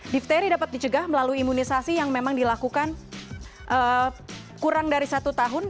diphteri dapat dicegah melalui imunisasi yang memang dilakukan kurang dari satu tahun